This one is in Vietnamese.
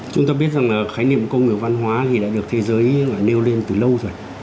chúng ta biết rằng là khái niệm công nghiệp văn hóa thì đã được thế giới nêu lên từ lâu rồi